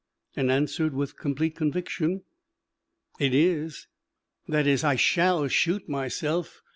and answered with complete conviction, "It is." That is, I shall shoot myself.